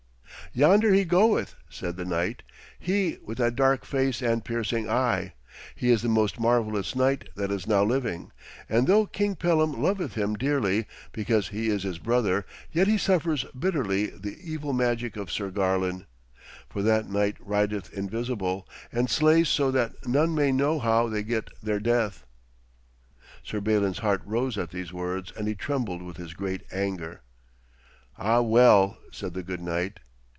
'Yonder he goeth,' said the knight; 'he with that dark face and piercing eye. He is the most marvellous knight that is now living, and though King Pellam loveth him dearly, because he is his brother, yet he suffers bitterly the evil magic of Sir Garlon. For that knight rideth invisible, and slays so that none may know how they get their death.' Sir Balin's heart rose at these words, and he trembled with his great anger. 'Ah, well,' said the good knight.